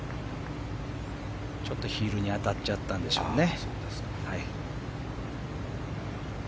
ちょっとヒールに当たっちゃったんでしょうね。